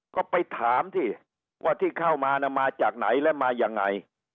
ก็ไปถามสิว่าที่เข้ามามาจากไหนและมายังไง